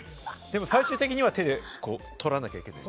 最終的には手で取らなきゃいけない。